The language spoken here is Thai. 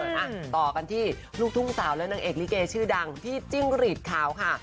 ต่อกันที่ลูกทุ่งสาวและตัวนางเอ็กซ์นี่เกโลชื่อดังพิจริงหรีชขาวค่ะ